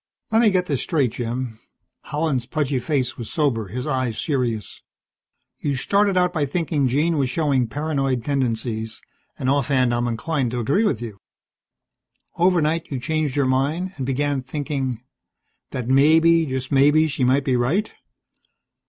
_"Let me get this straight, Jim." Holland's pudgy face was sober, his eyes serious. "You started out by thinking Jean was showing paranoid tendencies, and offhand I'm inclined to agree with you. Overnight you changed your mind and began thinking that maybe, just maybe, she might be right.